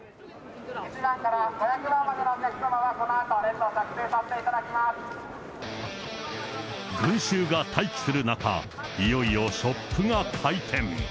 １番から５００番までのお客様はこのあと列を作成させていただき群衆が待機する中、いよいよショップが開店。